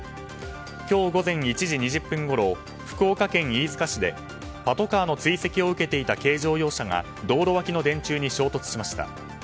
今日午前１時２０分ごろ福岡県飯塚市でパトカーの追跡を受けていた軽乗用車が道路脇の電柱に衝突しました。